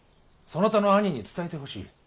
そなたの兄に伝えてほしい。